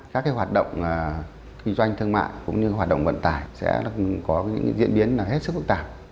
các hoạt động kinh doanh thương mại cũng như hoạt động vận tải sẽ có những diễn biến hết sức phức tạp